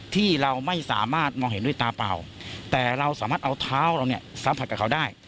ที่เราไม่สามารถมองเห็นด้วยตาเปล่าแต่เราสามารถเอาเท้าเราเนี่ยสัมผัสกับเขาได้